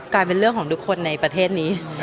กลายเป็นเรื่องของทุกคนในประเทศนี้